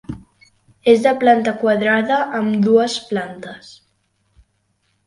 És de planta quadrada, amb dues plantes.